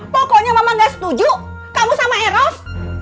pokoknya mama gak setuju kamu sama eros